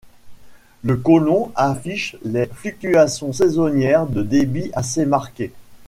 Le Colon affiche des fluctuations saisonnières de débit assez marquées.